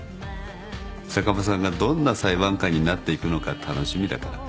坂間さんがどんな裁判官になっていくのか楽しみだから。